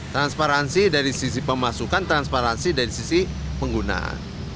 transparansi dari sisi pemasukan transparansi dari sisi penggunaan